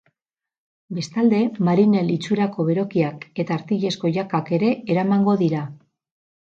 Bestalde, marinel itxurako berokiak eta artilezko jakak ere eramango dira.